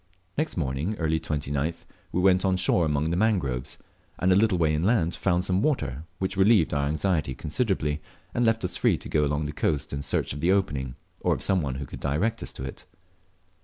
Next morning early (29th) we went on shore among the mangroves, and a little way inland found some water, which relieved our anxiety considerably, and left us free to go along the coast in search of the opening, or of some one who could direct us to it.